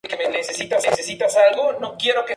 Se encuentra en el Mar Rojo y el Golfo de Omán.